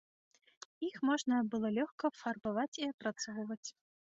Іх можна было лёгка фарбаваць і апрацоўваць.